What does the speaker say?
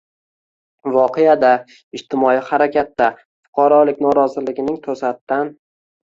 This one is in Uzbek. voqeada, ijtimoiy harakatda, fuqarolik noroziligining to‘satdan